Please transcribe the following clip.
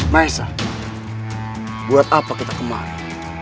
maesah buat apa kita kemarin